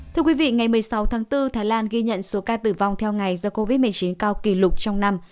thưa quý vị ngày một mươi sáu tháng bốn thái lan ghi nhận số ca tử vong theo ngày do covid một mươi chín cao kỷ lục trong năm